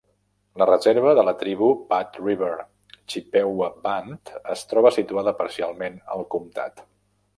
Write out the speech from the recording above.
La reserva de la tribu Bad River Chippewa Band es troba situada parcialment al comtat.